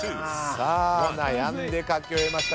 さあ悩んで書き終えました。